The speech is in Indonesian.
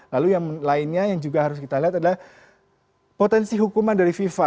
lalu yang lainnya yang juga harus kita lihat adalah potensi hukuman dari fifa